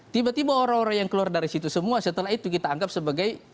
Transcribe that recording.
tiba tiba orang orang yang keluar dari situ semua setelah itu kita anggap sebagai